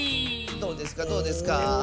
どうですかどうですか？